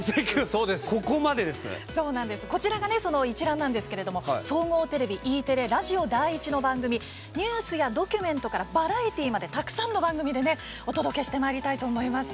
こちらがその一覧なんですが総合テレビ、Ｅテレラジオ第１の番組ニュースやドキュメントからバラエティーまでたくさんの番組でお届けしたいと思います。